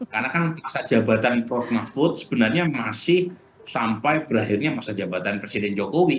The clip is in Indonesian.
karena kan masa jabatan prof mahfud sebenarnya masih sampai berakhirnya masa jabatan presiden jokowi